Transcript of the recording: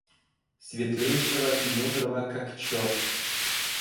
Светлейшего и мудрого как чёрт.